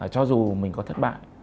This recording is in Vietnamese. cho dù mình có thất bại